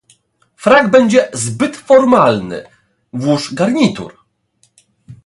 Frak będzie zbyt formalny, włóż garnitur.